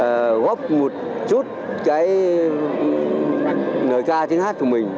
và lên đây cũng muốn để góp một chút cái nơi ca tiếng hát của chúng tôi